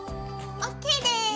ＯＫです！